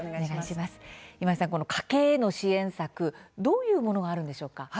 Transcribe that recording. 今井さん家計への支援策どういうものがあるのでしょうか。